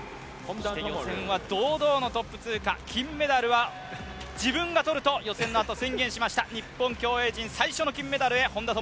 予選は堂々のトップ通過、金メダルは自分が取ると宣言しました、日本競泳陣最初の金メダルへ、本多灯。